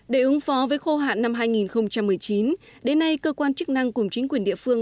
để ứng phó với khô hạn năm hai nghìn một mươi chín đến nay cơ quan chức năng cùng chính quyền địa phương